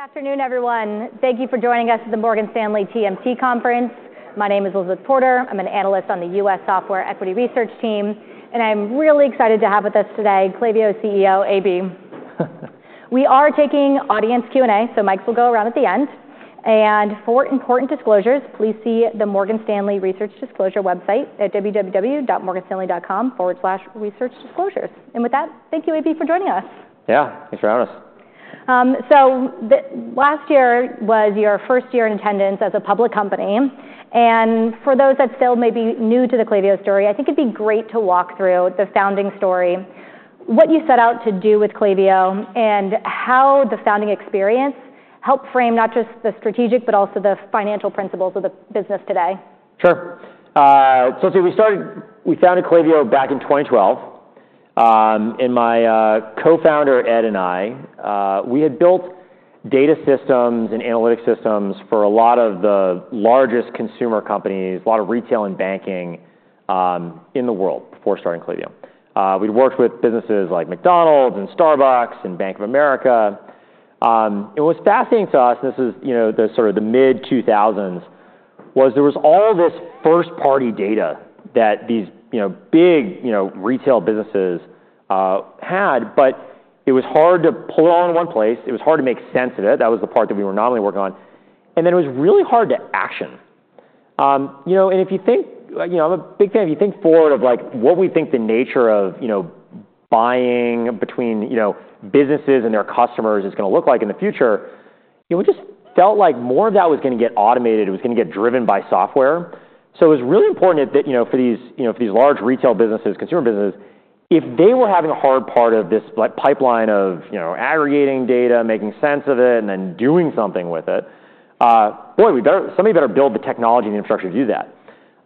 Good afternoon, everyone. Thank you for joining us at the Morgan Stanley TMT Conference. My name is Elizabeth Porter. I'm an analyst on the U.S. Software Equity Research team, and I'm really excited to have with us today Klaviyo CEO, AB. We are taking audience Q&A, so mics will go around at the end. And for important disclosures, please see the Morgan Stanley Research Disclosure website at www.morganstanley.com/researchdisclosures. And with that, thank you, AB, for joining us. Yeah, thanks for having us. Last year was your first year in attendance as a public company. For those that still may be new to the Klaviyo story, I think it'd be great to walk through the founding story, what you set out to do with Klaviyo, and how the founding experience helped frame not just the strategic, but also the financial principles of the business today. Sure. So we founded Klaviyo back in 2012. And my co-founder, Ed, and I, we had built data systems and analytic systems for a lot of the largest consumer companies, a lot of retail and banking in the world before starting Klaviyo. We'd worked with businesses like McDonald's and Starbucks and Bank of America. And what was fascinating to us, and this was sort of the mid-2000s, was there was all this first-party data that these big retail businesses had. But it was hard to pull it all in one place. It was hard to make sense of it. That was the part that we were not only working on. And then it was really hard to action. And if you think I'm a big fan if you think forward of what we think the nature of buying between businesses and their customers is going to look like in the future, it just felt like more of that was going to get automated. It was going to get driven by software. So it was really important for these large retail businesses, consumer businesses, if they were having a hard part of this pipeline of aggregating data, making sense of it, and then doing something with it, boy, somebody better build the technology and infrastructure to do that.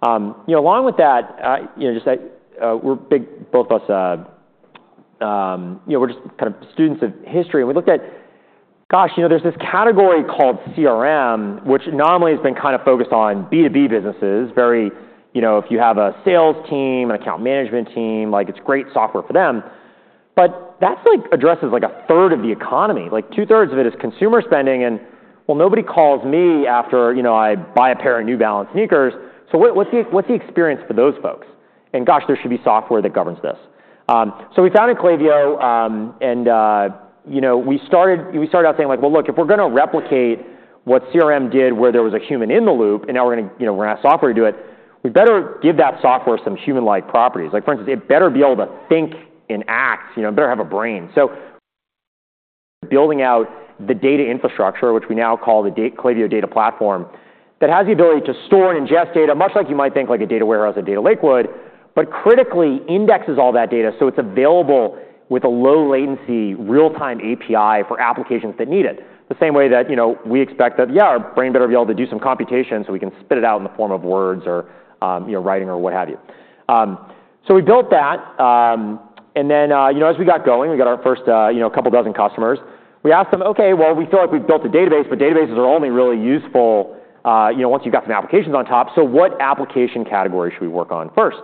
Along with that, just we're big, both of us, we're just kind of students of history. And we looked at, gosh, there's this category called CRM, which normally has been kind of focused on B2B businesses. If you have a sales team, an account management team, it's great software for them. But that addresses like a third of the economy. Two-thirds of it is consumer spending. And well, nobody calls me after I buy a pair of New Balance sneakers. So what's the experience for those folks? And gosh, there should be software that governs this. So we founded Klaviyo. And we started out saying, well, look, if we're going to replicate what CRM did where there was a human in the loop, and now we're going to have software to do it, we better give that software some human-like properties. For instance, it better be able to think and act. It better have a brain. Building out the data infrastructure, which we now call the Klaviyo Data Platform, that has the ability to store and ingest data, much like you might think like a data warehouse or data lake, but critically indexes all that data so it's available with a low-latency real-time API for applications that need it. The same way that we expect that, yeah, our brain better be able to do some computation so we can spit it out in the form of words or writing or what have you. We built that. Then as we got going, we got our first couple dozen customers. We asked them, OK, well, we feel like we've built a database, but databases are only really useful once you've got some applications on top. What application category should we work on first?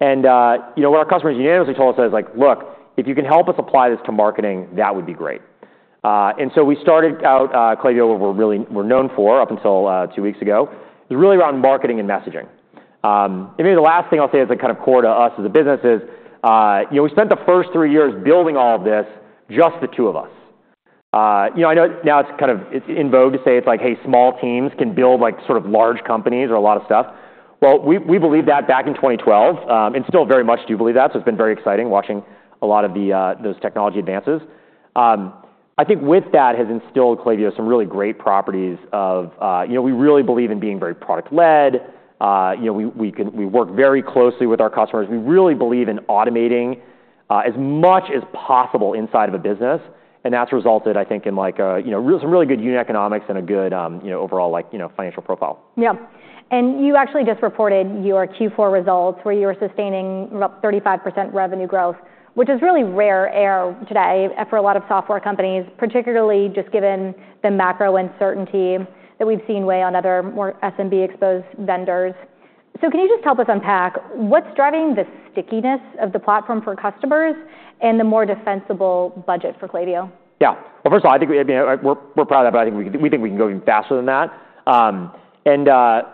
And what our customers unanimously told us was, "Look, if you can help us apply this to marketing, that would be great." And so we started out Klaviyo, what we're known for up until two weeks ago, was really around marketing and messaging. And maybe the last thing I'll say as a kind of core to us as a business is we spent the first three years building all of this just the two of us. I know now it's kind of in vogue to say, "Hey, small teams can build sort of large companies or a lot of stuff." Well, we believed that back in 2012 and still very much do believe that. So it's been very exciting watching a lot of those technology advances. I think with that has instilled Klaviyo some really great properties of we really believe in being very product-led. We work very closely with our customers. We really believe in automating as much as possible inside of a business, and that's resulted, I think, in some really good unit economics and a good overall financial profile. Yeah, and you actually just reported your Q4 results where you were sustaining about 35% revenue growth, which is really rare today for a lot of software companies, particularly just given the macro uncertainty that we've seen weigh on other more SMB-exposed vendors. So can you just help us unpack what's driving the stickiness of the platform for customers and the more defensible budget for Klaviyo? Yeah. Well, first of all, I think we're proud of that, but I think we think we can go even faster than that and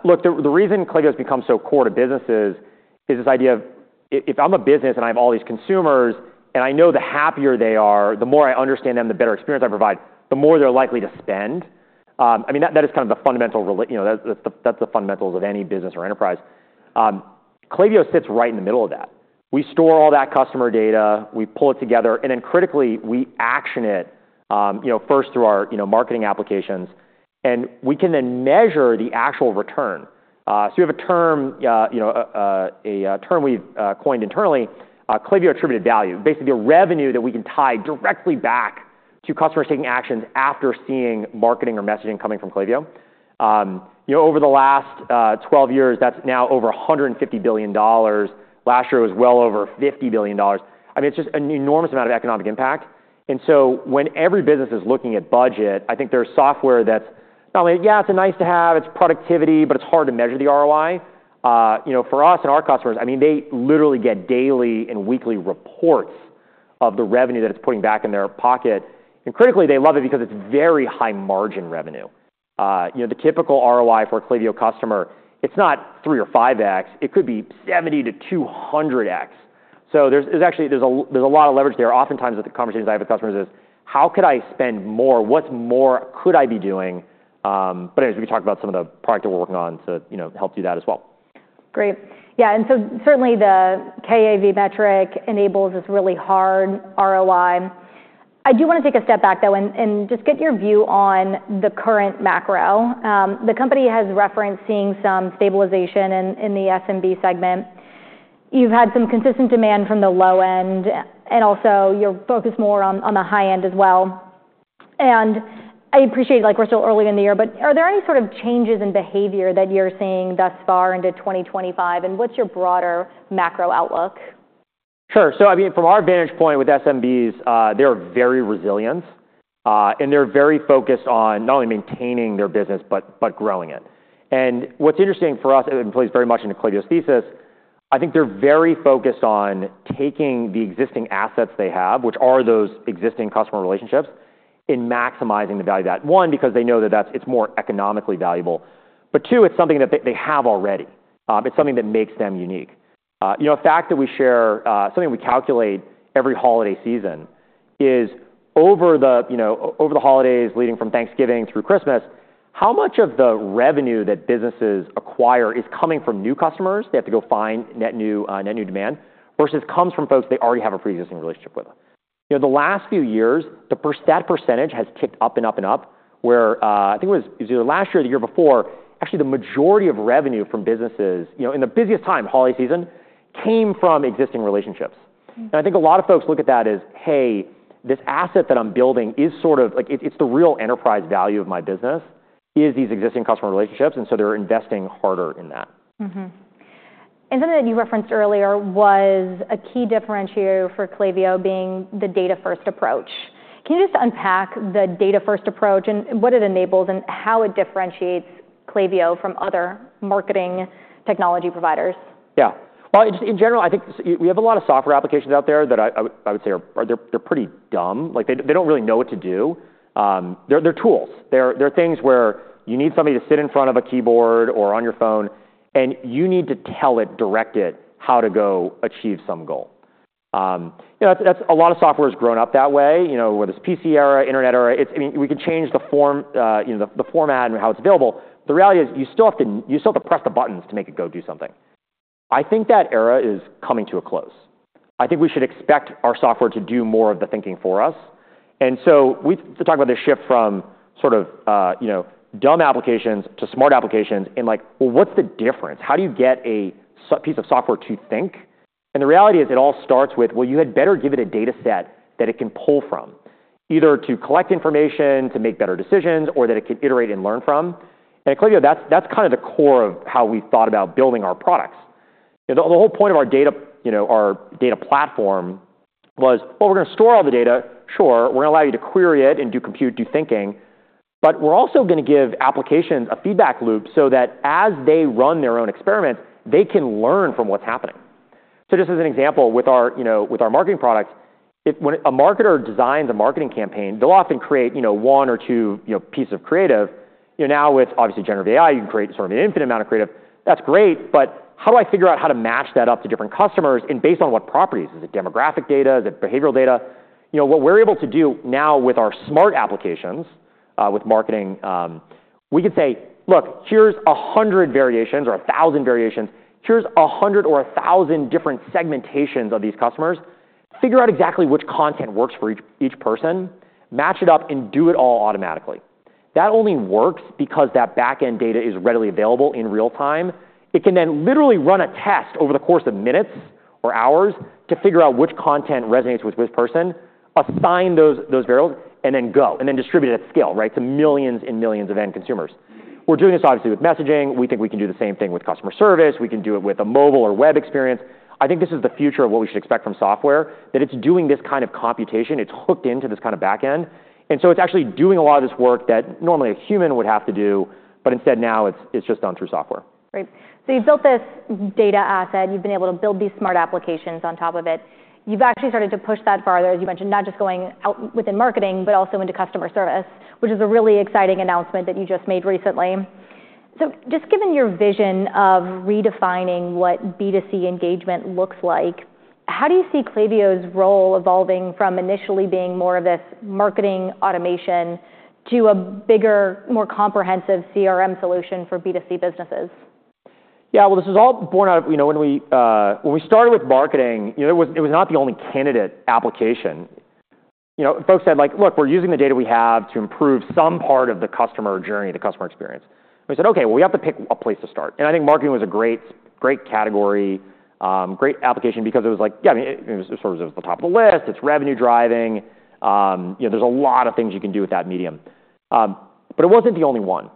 look, the reason Klaviyo has become so core to businesses is this idea of if I'm a business and I have all these consumers, and I know the happier they are, the more I understand them, the better experience I provide, the more they're likely to spend. I mean, that is kind of the fundamental that's the fundamentals of any business or enterprise. Klaviyo sits right in the middle of that. We store all that customer data. We pull it together and then critically, we action it first through our marketing applications and we can then measure the actual return. So we have a term we've coined internally, Klaviyo Attributed Value, basically the revenue that we can tie directly back to customers taking actions after seeing marketing or messaging coming from Klaviyo. Over the last 12 years, that's now over $150 billion. Last year it was well over $50 billion. I mean, it's just an enormous amount of economic impact. And so when every business is looking at budget, I think there's software that's not only, yeah, it's a nice to have, it's productivity, but it's hard to measure the ROI. For us and our customers, I mean, they literally get daily and weekly reports of the revenue that it's putting back in their pocket. And critically, they love it because it's very high-margin revenue. The typical ROI for a Klaviyo customer, it's not 3 or 5X. It could be 70 to 200X. So there's actually a lot of leverage there. Oftentimes, the conversations I have with customers is, how could I spend more? What more could I be doing? But anyways, we can talk about some of the product that we're working on to help do that as well. Great. Yeah. And so certainly, the KAV metric enables this really hard ROI. I do want to take a step back, though, and just get your view on the current macro. The company has referenced seeing some stabilization in the SMB segment. You've had some consistent demand from the low end, and also you're focused more on the high end as well. And I appreciate we're still early in the year, but are there any sort of changes in behavior that you're seeing thus far into 2025? And what's your broader macro outlook? Sure. So I mean, from our vantage point with SMBs, they're very resilient. And they're very focused on not only maintaining their business, but growing it. And what's interesting for us, it plays very much into Klaviyo's thesis. I think they're very focused on taking the existing assets they have, which are those existing customer relationships, and maximizing the value of that. One, because they know that it's more economically valuable. But two, it's something that they have already. It's something that makes them unique. A fact that we share, something we calculate every holiday season, is over the holidays leading from Thanksgiving through Christmas, how much of the revenue that businesses acquire is coming from new customers? They have to go find net new demand versus comes from folks they already have a pre-existing relationship with. The last few years, that percentage has ticked up and up and up, where I think it was either last year or the year before, actually the majority of revenue from businesses in the busiest time, holiday season, came from existing relationships, and I think a lot of folks look at that as, hey, this asset that I'm building is sort of, it's the real enterprise value of my business is these existing customer relationships, and so they're investing harder in that. Something that you referenced earlier was a key differentiator for Klaviyo being the data-first approach. Can you just unpack the data-first approach and what it enables and how it differentiates Klaviyo from other marketing technology providers? Yeah. Well, just in general, I think we have a lot of software applications out there that I would say are pretty dumb. They don't really know what to do. They're tools. They're things where you need somebody to sit in front of a keyboard or on your phone, and you need to tell it, direct it how to go achieve some goal. A lot of software has grown up that way, whether it's PC era, internet era. I mean, we can change the format and how it's available. The reality is you still have to press the buttons to make it go do something. I think that era is coming to a close. I think we should expect our software to do more of the thinking for us. And so we talk about the shift from sort of dumb applications to smart applications and like, well, what's the difference? How do you get a piece of software to think? And the reality is it all starts with, well, you had better give it a data set that it can pull from, either to collect information, to make better decisions, or that it can iterate and learn from. And at Klaviyo, that's kind of the core of how we thought about building our products. The whole point of our data platform was, well, we're going to store all the data. Sure, we're going to allow you to query it and do compute, do thinking. But we're also going to give applications a feedback loop so that as they run their own experiments, they can learn from what's happening. So just as an example, with our marketing products, when a marketer designs a marketing campaign, they'll often create one or two pieces of creative. Now, with obviously generative AI, you can create sort of an infinite amount of creative. That's great. But how do I figure out how to match that up to different customers? And based on what properties? Is it demographic data? Is it behavioral data? What we're able to do now with our smart applications, with marketing, we can say, look, here's 100 variations or 1,000 variations. Here's 100 or 1,000 different segmentations of these customers. Figure out exactly which content works for each person. Match it up and do it all automatically. That only works because that back-end data is readily available in real time. It can then literally run a test over the course of minutes or hours to figure out which content resonates with which person, assign those variables, and then go, and then distribute it at scale to millions and millions of end consumers. We're doing this, obviously, with messaging. We think we can do the same thing with customer service. We can do it with a mobile or web experience. I think this is the future of what we should expect from software, that it's doing this kind of computation. It's hooked into this kind of back-end. And so it's actually doing a lot of this work that normally a human would have to do, but instead now it's just done through software. Great. So you've built this data asset. You've been able to build these smart applications on top of it. You've actually started to push that farther, as you mentioned, not just going out within marketing, but also into customer service, which is a really exciting announcement that you just made recently. So just given your vision of redefining what B2C engagement looks like, how do you see Klaviyo's role evolving from initially being more of this marketing automation to a bigger, more comprehensive CRM solution for B2C businesses? Yeah. Well, this is all born out of when we started with marketing, it was not the only candidate application. Folks said, look, we're using the data we have to improve some part of the customer journey, the customer experience. We said, OK, well, we have to pick a place to start. And I think marketing was a great category, great application, because it was like, yeah, it was sort of at the top of the list. It's revenue driving. There's a lot of things you can do with that medium. But it wasn't the only one.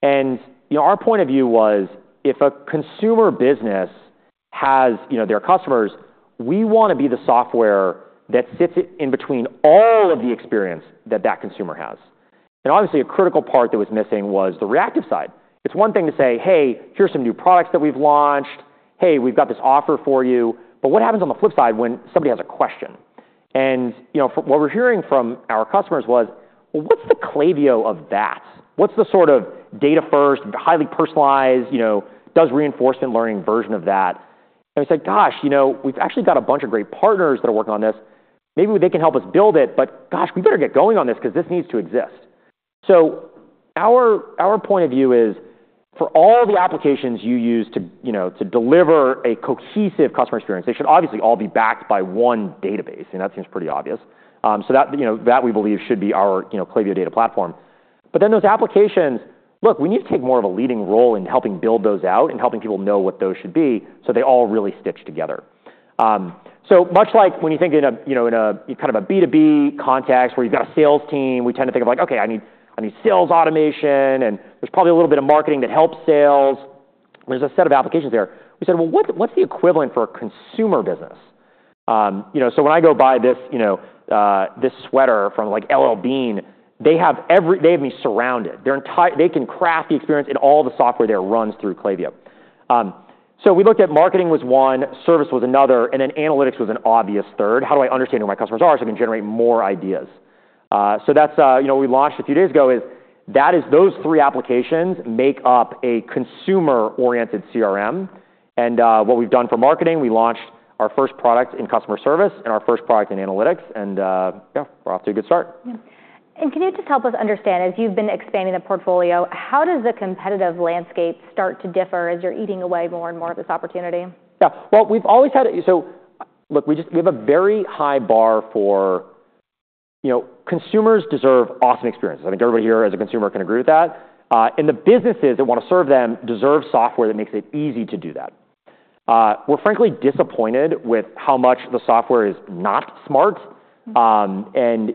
And our point of view was, if a consumer business has their customers, we want to be the software that sits in between all of the experience that that consumer has. And obviously, a critical part that was missing was the reactive side. It's one thing to say, hey, here's some new products that we've launched. Hey, we've got this offer for you. But what happens on the flip side when somebody has a question? And what we're hearing from our customers was, well, what's the Klaviyo of that? What's the sort of data-first, highly personalized, does reinforcement learning version of that? And we said, gosh, we've actually got a bunch of great partners that are working on this. Maybe they can help us build it, but gosh, we better get going on this because this needs to exist. So our point of view is, for all the applications you use to deliver a cohesive customer experience, they should obviously all be backed by one database. And that seems pretty obvious. So that, we believe, should be our Klaviyo Data Platform. But then those applications, look, we need to take more of a leading role in helping build those out and helping people know what those should be so they all really stitch together. So much like when you think in a kind of a B2B context where you've got a sales team, we tend to think of, like, OK, I need sales automation. And there's probably a little bit of marketing that helps sales. There's a set of applications there. We said, well, what's the equivalent for a consumer business? So when I go buy this sweater from L.L.Bean, they have me surrounded. They can craft the experience, and all the software there runs through Klaviyo. So we looked at marketing was one, service was another, and then analytics was an obvious third. How do I understand who my customers are so I can generate more ideas? So that's what we launched a few days ago, is those three applications make up a consumer-oriented CRM. And what we've done for marketing, we launched our first product in customer service and our first product in analytics. And yeah, we're off to a good start. Yeah, and can you just help us understand, as you've been expanding the portfolio, how does the competitive landscape start to differ as you're eating away more and more of this opportunity? Yeah. Well, we've always had it. So look, we have a very high bar that consumers deserve awesome experiences. I think everybody here, as a consumer, can agree with that. And the businesses that want to serve them deserve software that makes it easy to do that. We're frankly disappointed with how much the software is not smart. And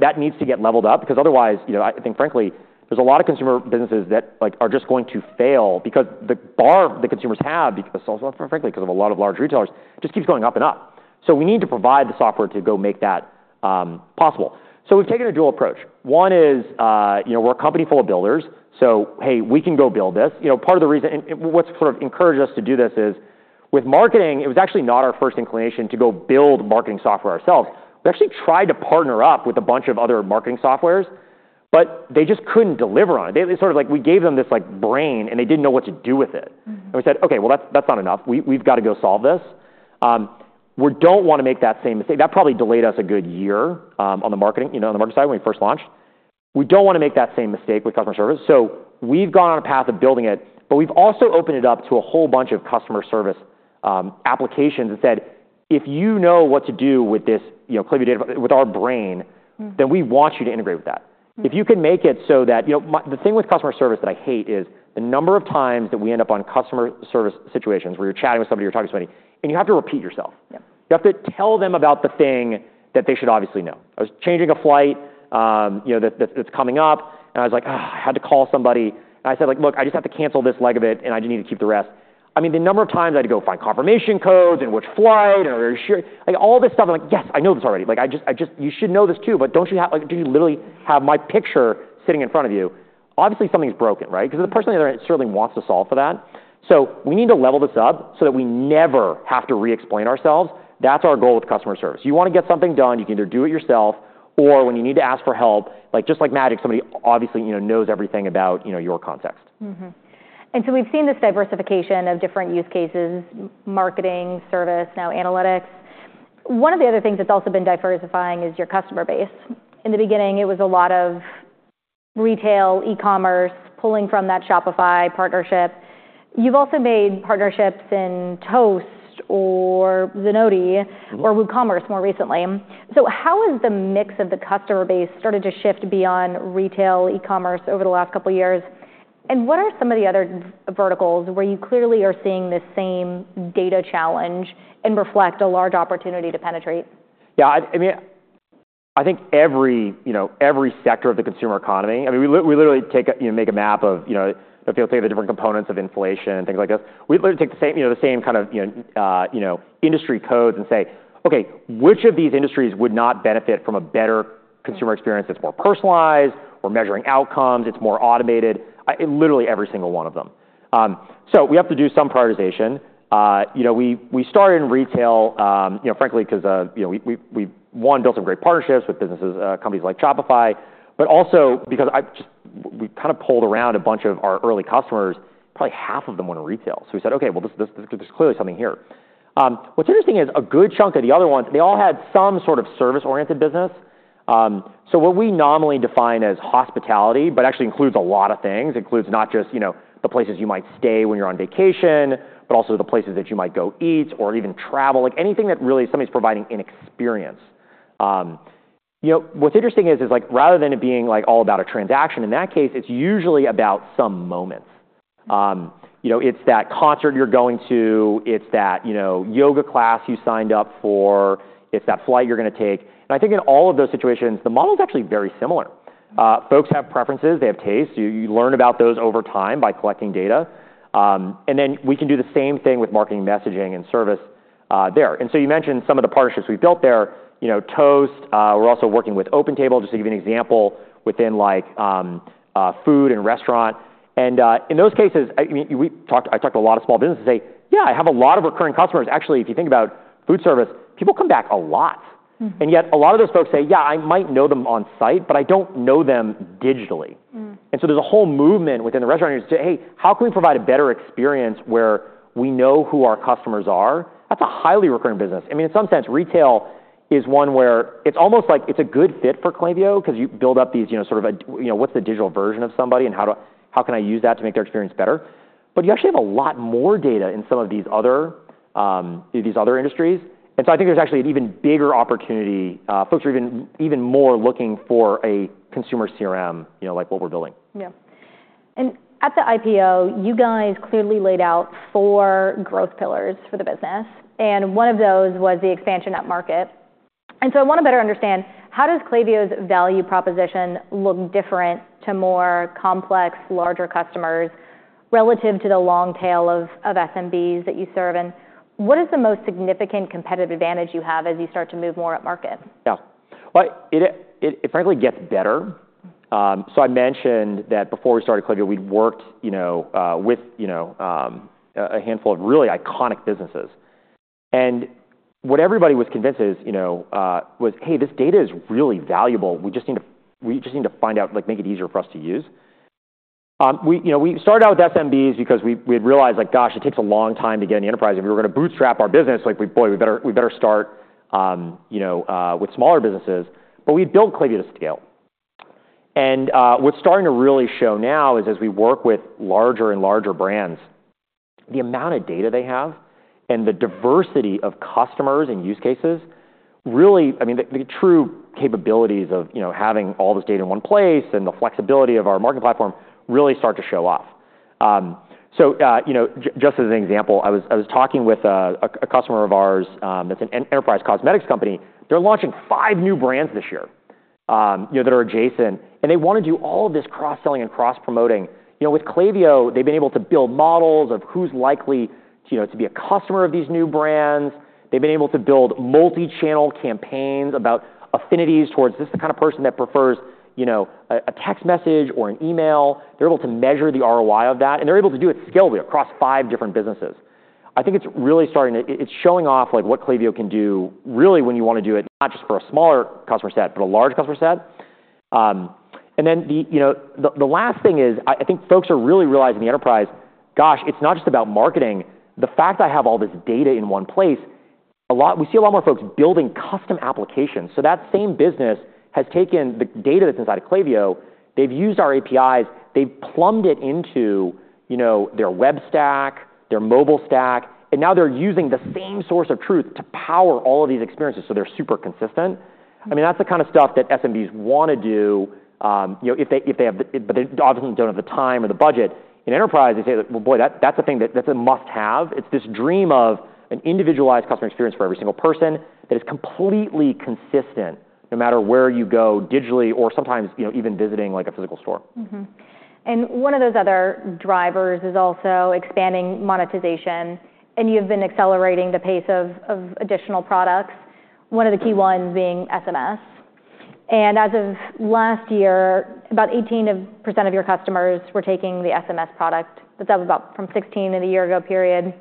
that needs to get leveled up because otherwise, I think, frankly, there's a lot of consumer businesses that are just going to fail because the bar that consumers have, frankly, because of a lot of large retailers, just keeps going up and up. So we need to provide the software to go make that possible. So we've taken a dual approach. One is we're a company full of builders. So hey, we can go build this. Part of the reason what's sort of encouraged us to do this is, with marketing, it was actually not our first inclination to go build marketing software ourselves. We actually tried to partner up with a bunch of other marketing softwares, but they just couldn't deliver on it. It's sort of like we gave them this brain, and they didn't know what to do with it. And we said, OK, well, that's not enough. We've got to go solve this. We don't want to make that same mistake. That probably delayed us a good year on the marketing side when we first launched. We don't want to make that same mistake with customer service. So we've gone on a path of building it, but we've also opened it up to a whole bunch of customer service applications and said, if you know what to do with our brain, then we want you to integrate with that. If you can make it so that the thing with customer service that I hate is the number of times that we end up on customer service situations where you're chatting with somebody, you're talking to somebody, and you have to repeat yourself. You have to tell them about the thing that they should obviously know. I was changing a flight that's coming up, and I was like, I had to call somebody. And I said, look, I just have to cancel this leg of it, and I just need to keep the rest. I mean, the number of times I had to go find confirmation codes and which flight and all this stuff. I'm like, yes, I know this already. You should know this too, but don't you literally have my picture sitting in front of you? Obviously, something's broken, right? Because the person there certainly wants to solve for that. So we need to level this up so that we never have to re-explain ourselves. That's our goal with customer service. You want to get something done, you can either do it yourself or when you need to ask for help, just like magic, somebody obviously knows everything about your context. And so we've seen this diversification of different use cases, marketing, service, now analytics. One of the other things that's also been diversifying is your customer base. In the beginning, it was a lot of retail, e-commerce, pulling from that Shopify partnership. You've also made partnerships in Toast or Zenoti or WooCommerce more recently. So how has the mix of the customer base started to shift beyond retail, e-commerce over the last couple of years? And what are some of the other verticals where you clearly are seeing this same data challenge and reflect a large opportunity to penetrate? Yeah. I mean, I think every sector of the consumer economy. I mean, we literally make a map of if you'll take the different components of inflation and things like this. We literally take the same kind of industry codes and say, OK, which of these industries would not benefit from a better consumer experience that's more personalized? We're measuring outcomes. It's more automated. Literally every single one of them. So we have to do some prioritization. We started in retail, frankly, because we, one, built some great partnerships with businesses, companies like Shopify, but also because we kind of polled around a bunch of our early customers, probably half of them went to retail. So we said, OK, well, there's clearly something here. What's interesting is a good chunk of the other ones. They all had some sort of service-oriented business. So what we nominally define as hospitality, but actually includes a lot of things, includes not just the places you might stay when you're on vacation, but also the places that you might go eat or even travel, like anything that really somebody's providing an experience. What's interesting is, rather than it being all about a transaction, in that case, it's usually about some moments. It's that concert you're going to. It's that yoga class you signed up for. It's that flight you're going to take, and I think in all of those situations, the model is actually very similar. Folks have preferences. They have tastes. You learn about those over time by collecting data, and then we can do the same thing with marketing, messaging, and service there, and so you mentioned some of the partnerships we've built there, Toast. We're also working with OpenTable, just to give you an example, within food and restaurant. And in those cases, I talked to a lot of small businesses and say, yeah, I have a lot of recurring customers. Actually, if you think about food service, people come back a lot. And yet a lot of those folks say, yeah, I might know them on site, but I don't know them digitally. And so there's a whole movement within the restaurant industry to say, hey, how can we provide a better experience where we know who our customers are? That's a highly recurring business. I mean, in some sense, retail is one where it's almost like it's a good fit for Klaviyo because you build up these sort of, what's the digital version of somebody and how can I use that to make their experience better? But you actually have a lot more data in some of these other industries. And so I think there's actually an even bigger opportunity. Folks are even more looking for a consumer CRM like what we're building. Yeah. And at the IPO, you guys clearly laid out four growth pillars for the business. And one of those was the expansion at market. And so I want to better understand, how does Klaviyo's value proposition look different to more complex, larger customers relative to the long tail of SMBs that you serve? And what is the most significant competitive advantage you have as you start to move more at market? Yeah. Well, it frankly gets better. So I mentioned that before we started Klaviyo, we'd worked with a handful of really iconic businesses. And what everybody was convinced was, hey, this data is really valuable. We just need to find out, make it easier for us to use. We started out with SMBs because we had realized, gosh, it takes a long time to get an enterprise. If we were going to bootstrap our business, boy, we better start with smaller businesses. But we had built Klaviyo to scale. And what's starting to really show now is, as we work with larger and larger brands, the amount of data they have and the diversity of customers and use cases really, I mean, the true capabilities of having all this data in one place and the flexibility of our marketing platform really start to show off. So just as an example, I was talking with a customer of ours that's an enterprise cosmetics company. They're launching five new brands this year that are adjacent, and they want to do all of this cross-selling and cross-promoting. With Klaviyo, they've been able to build models of who's likely to be a customer of these new brands. They've been able to build multichannel campaigns about affinities towards this kind of person that prefers a text message or an email. They're able to measure the ROI of that, and they're able to do it scalably across five different businesses. I think it's really starting to show off what Klaviyo can do really when you want to do it, not just for a smaller customer set, but a large customer set, and then the last thing is, I think folks are really realizing the enterprise, gosh, it's not just about marketing. The fact I have all this data in one place, we see a lot more folks building custom applications. So that same business has taken the data that's inside of Klaviyo. They've used our APIs. They've plumbed it into their web stack, their mobile stack. And now they're using the same source of truth to power all of these experiences. So they're super consistent. I mean, that's the kind of stuff that SMBs want to do if they obviously don't have the time or the budget. In enterprise, they say, well, boy, that's a must-have. It's this dream of an individualized customer experience for every single person that is completely consistent no matter where you go digitally or sometimes even visiting a physical store. And one of those other drivers is also expanding monetization. And you have been accelerating the pace of additional products, one of the key ones being SMS. And as of last year, about 18% of your customers were taking the SMS product. That's up about from 16% in the year ago period.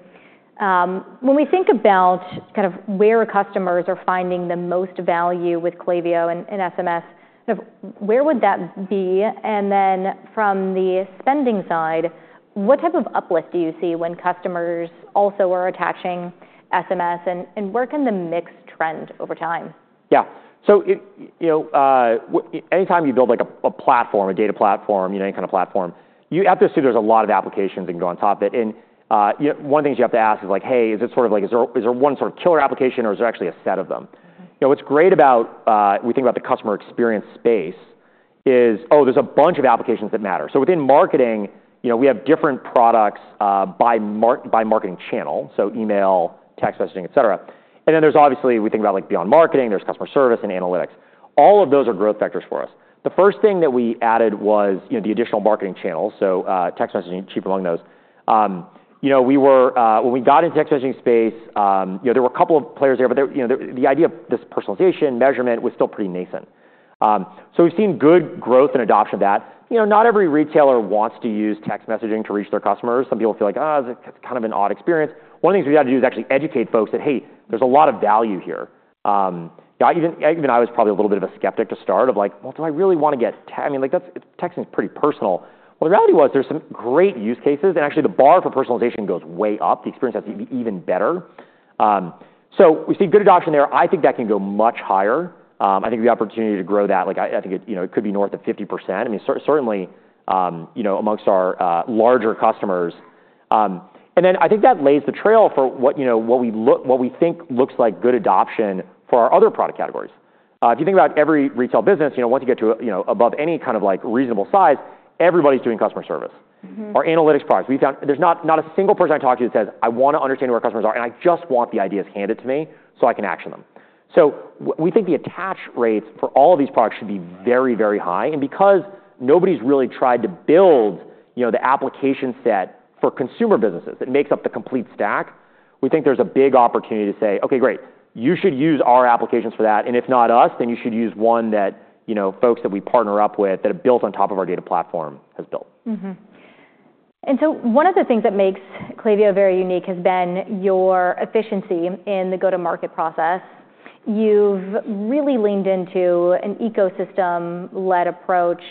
When we think about kind of where customers are finding the most value with Klaviyo and SMS, where would that be? And then from the spending side, what type of uplift do you see when customers also are attaching SMS? And where can the mix trend over time? Yeah. So anytime you build a platform, a data platform, any kind of platform, you have to see there's a lot of applications that can go on top of it. And one of the things you have to ask is, like, hey, is it sort of like is there one sort of killer application, or is there actually a set of them? What's great about when we think about the customer experience space is, oh, there's a bunch of applications that matter. So within marketing, we have different products by marketing channel, so email, text messaging, et cetera. And then there's obviously, we think about beyond marketing, there's customer service and analytics. All of those are growth vectors for us. The first thing that we added was the additional marketing channels, so text messaging, chief among those. When we got into the text messaging space, there were a couple of players there. But the idea of this personalization measurement was still pretty nascent. So we've seen good growth and adoption of that. Not every retailer wants to use text messaging to reach their customers. Some people feel like it's kind of an odd experience. One of the things we had to do is actually educate folks that, hey, there's a lot of value here. Even I was probably a little bit of a skeptic to start off, like, well, do I really want to get text? I mean, texting is pretty personal. Well, the reality was there's some great use cases. And actually, the bar for personalization goes way up. The experience has to be even better. So we see good adoption there. I think that can go much higher. I think the opportunity to grow that. I think it could be north of 50%, I mean, certainly amongst our larger customers, and then I think that lays the trail for what we think looks like good adoption for our other product categories. If you think about every retail business, once you get to above any kind of reasonable size, everybody's doing customer service. Our analytics products, we found there's not a single person I talk to that says, "I want to understand where customers are, and I just want the ideas handed to me so I can action them," so we think the attach rates for all of these products should be very, very high. And because nobody's really tried to build the application set for consumer businesses that makes up the complete stack, we think there's a big opportunity to say, OK, great, you should use our applications for that. And if not us, then you should use one that folks that we partner up with that are built on top of our data platform has built. And so one of the things that makes Klaviyo very unique has been your efficiency in the go-to-market process. You've really leaned into an ecosystem-led approach.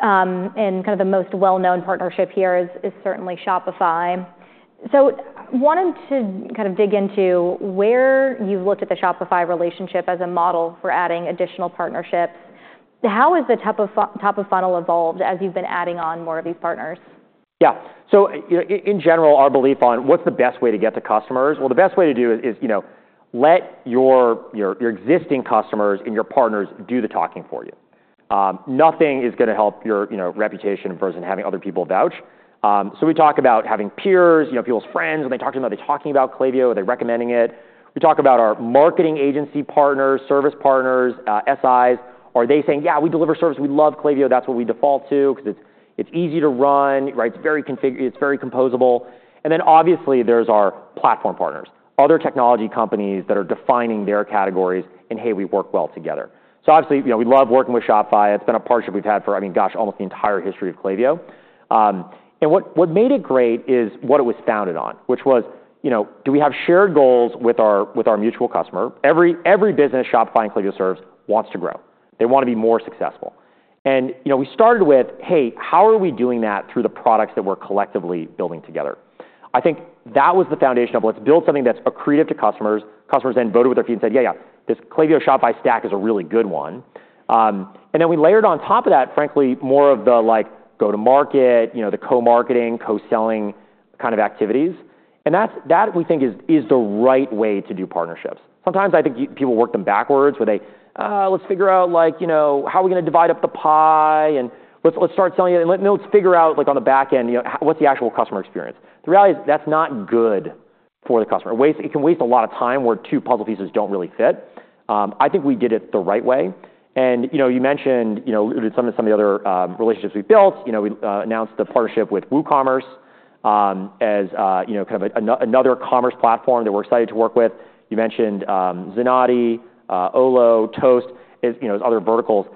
And kind of the most well-known partnership here is certainly Shopify. So I wanted to kind of dig into where you've looked at the Shopify relationship as a model for adding additional partnerships. How has the top of funnel evolved as you've been adding on more of these partners? Yeah. So in general, our belief on what's the best way to get to customers, well, the best way to do it is let your existing customers and your partners do the talking for you. Nothing is going to help your reputation versus having other people vouch. So we talk about having peers, people's friends. When they talk to them, are they talking about Klaviyo? Are they recommending it? We talk about our marketing agency partners, service partners, SIs. Are they saying, yeah, we deliver service. We love Klaviyo. That's what we default to because it's easy to run. It's very composable. And then obviously, there's our platform partners, other technology companies that are defining their categories. And hey, we work well together. So obviously, we love working with Shopify. It's been a partnership we've had for, I mean, gosh, almost the entire history of Klaviyo. And what made it great is what it was founded on, which was, do we have shared goals with our mutual customer? Every business Shopify and Klaviyo serves wants to grow. They want to be more successful. And we started with, hey, how are we doing that through the products that we're collectively building together? I think that was the foundation of, let's build something that's accretive to customers. Customers then voted with their feet and said, yeah, yeah, this Klaviyo Shopify stack is a really good one. And then we layered on top of that, frankly, more of the go-to-market, the co-marketing, co-selling kind of activities. And that, we think, is the right way to do partnerships. Sometimes I think people work them backwards where they, let's figure out how are we going to divide up the pie? And let's start selling it. And let's figure out on the back end, what's the actual customer experience? The reality is that's not good for the customer. It can waste a lot of time where two puzzle pieces don't really fit. I think we did it the right way. And you mentioned some of the other relationships we built. We announced the partnership with WooCommerce as kind of another commerce platform that we're excited to work with. You mentioned Zenoti, Olo, Toast, those other verticals.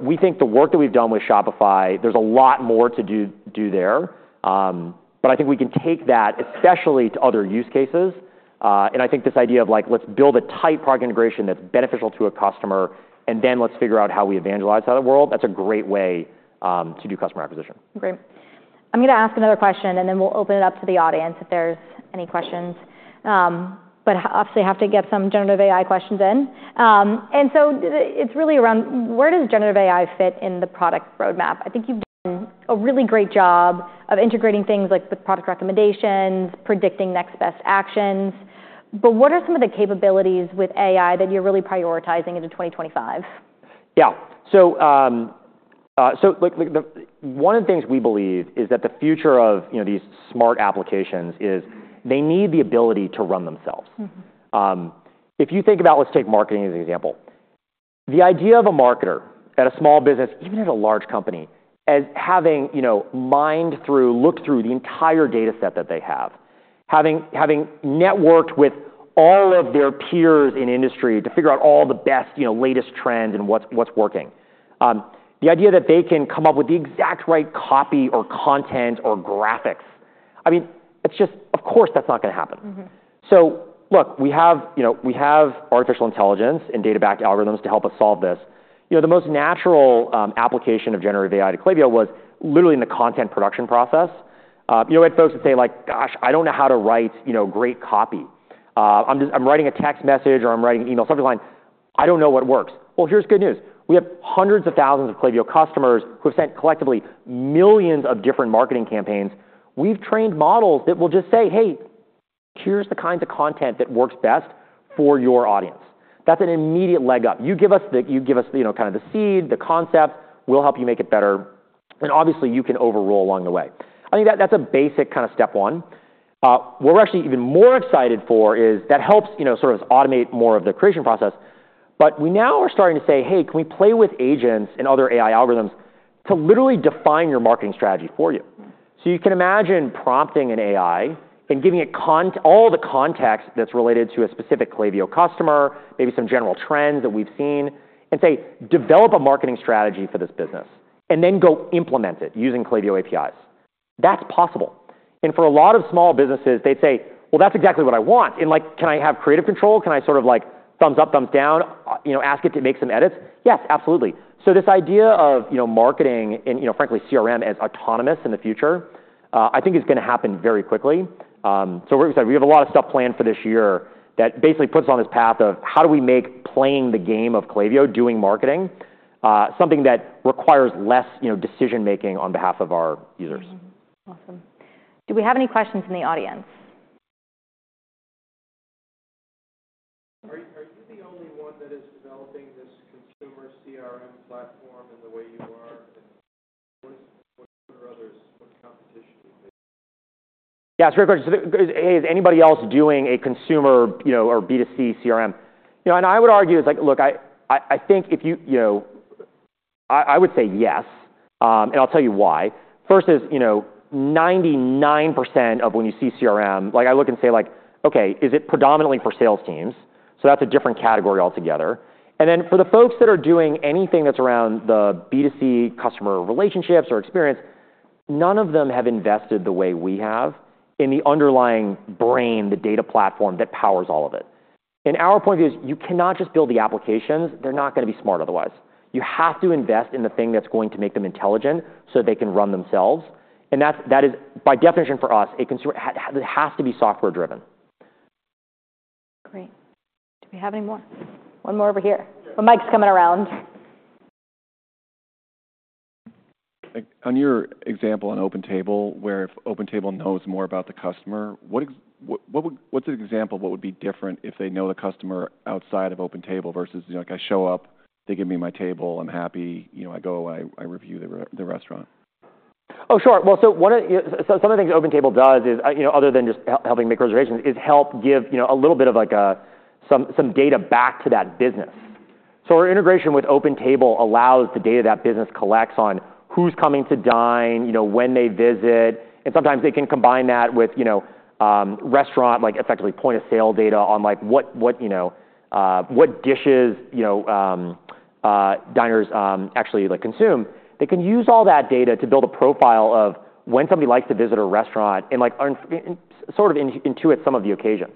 We think the work that we've done with Shopify, there's a lot more to do there. But I think we can take that, especially to other use cases. And I think this idea of, let's build a tight product integration that's beneficial to a customer, and then let's figure out how we evangelize that world, that's a great way to do customer acquisition. Great. I'm going to ask another question, and then we'll open it up to the audience if there's any questions, but obviously, I have to get some generative AI questions in, and so it's really around, where does generative AI fit in the product roadmap? I think you've done a really great job of integrating things like with product recommendations, predicting next best actions, but what are some of the capabilities with AI that you're really prioritizing into 2025? Yeah. So one of the things we believe is that the future of these smart applications is they need the ability to run themselves. If you think about, let's take marketing as an example, the idea of a marketer at a small business, even at a large company, as having mined through, looked through the entire data set that they have, having networked with all of their peers in industry to figure out all the best, latest trends and what's working, the idea that they can come up with the exact right copy or content or graphics, I mean, it's just, of course, that's not going to happen. So look, we have artificial intelligence and data-backed algorithms to help us solve this. The most natural application of generative AI to Klaviyo was literally in the content production process. You know, we had folks that say, like, gosh, I don't know how to write great copy. I'm writing a text message or I'm writing an email subject line. I don't know what works. Well, here's good news. We have hundreds of thousands of Klaviyo customers who have sent collectively millions of different marketing campaigns. We've trained models that will just say, hey, here's the kinds of content that works best for your audience. That's an immediate leg up. You give us kind of the seed, the concept. We'll help you make it better. And obviously, you can overrule along the way. I think that's a basic kind of step one. What we're actually even more excited for is that helps sort of automate more of the creation process. But we now are starting to say, hey, can we play with agents and other AI algorithms to literally define your marketing strategy for you? So you can imagine prompting an AI and giving it all the context that's related to a specific Klaviyo customer, maybe some general trends that we've seen, and say, develop a marketing strategy for this business, and then go implement it using Klaviyo APIs. That's possible. And for a lot of small businesses, they'd say, well, that's exactly what I want. And can I have creative control? Can I sort of thumbs up, thumbs down, ask it to make some edits? Yes, absolutely. So this idea of marketing and frankly, CRM as autonomous in the future, I think is going to happen very quickly. so we have a lot of stuff planned for this year that basically puts us on this path of how do we make playing the game of Klaviyo, doing marketing, something that requires less decision-making on behalf of our users. Awesome. Do we have any questions in the audience? Are you the only one that is developing this consumer CRM platform in the way you are? What competition do you face? Yeah, it's a great question. So is anybody else doing a consumer or B2C CRM? And I would argue it's like, look, I would say yes. And I'll tell you why. First is 99% of when you see CRM, I look and say, like, OK, is it predominantly for sales teams? So that's a different category altogether. And then for the folks that are doing anything that's around the B2C customer relationships or experience, none of them have invested the way we have in the underlying brain, the data platform that powers all of it. And our point of view is you cannot just build the applications. They're not going to be smart otherwise. You have to invest in the thing that's going to make them intelligent so they can run themselves. And that is, by definition for us, a consumer that has to be software-driven. Great. Do we have any more? One more over here. The mic's coming around. On your example on OpenTable, where if OpenTable knows more about the customer, what's an example of what would be different if they know the customer outside of OpenTable versus I show up, they give me my table, I'm happy, I go, I review the restaurant? Oh, sure. Well, so one of the things OpenTable does, other than just helping make reservations, is help give a little bit of some data back to that business. So our integration with OpenTable allows the data that business collects on who's coming to dine, when they visit. And sometimes they can combine that with restaurant, effectively point of sale data on what dishes diners actually consume. They can use all that data to build a profile of when somebody likes to visit a restaurant and sort of intuit some of the occasions.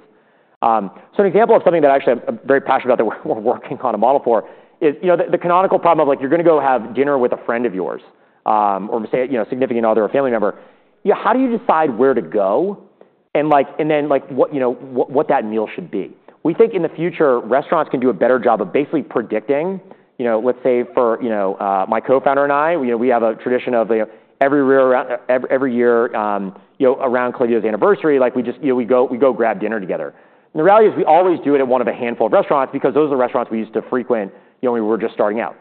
So an example of something that I'm actually very passionate about that we're working on a model for is the canonical problem of you're going to go have dinner with a friend of yours or say a significant other or family member. How do you decide where to go and then what that meal should be? We think in the future, restaurants can do a better job of basically predicting. Let's say for my co-founder and I, we have a tradition of every year around Klaviyo's anniversary, we go grab dinner together, and the reality is we always do it at one of a handful of restaurants because those are the restaurants we used to frequent when we were just starting out.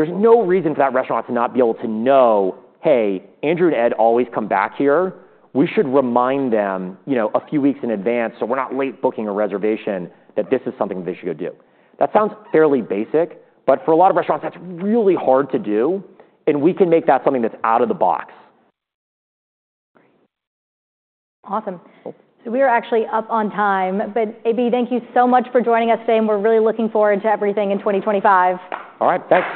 There's no reason for that restaurant to not be able to know, hey, Andrew and Ed always come back here. We should remind them a few weeks in advance so we're not late booking a reservation that this is something that they should go do. That sounds fairly basic, but for a lot of restaurants, that's really hard to do, and we can make that something that's out of the box. Awesome. So we are actually up on time. But AB, thank you so much for joining us today. And we're really looking forward to everything in 2025. All right. Thanks.